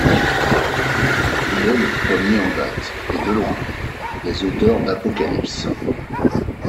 Il est le premier en date, et de loin, des auteurs d'apocalypse.